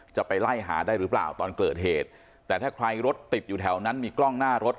จะไปไล่หาได้หรือเปล่าตอนเกิดเหตุแต่ถ้าใครรถติดอยู่แถวนั้นมีกล้องหน้ารถ